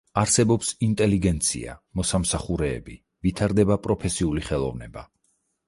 არსებობს ინტელიგენცია, მოსამსახურეები, ვითარდება პროფესიული ხელოვნება.